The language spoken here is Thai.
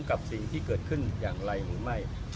กับสิ่งที่เกิดขึ้นอย่างไรหรือไม่